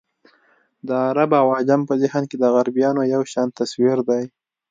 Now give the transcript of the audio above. د عرب او عجم په ذهن کې د غربیانو یو شان تصویر دی.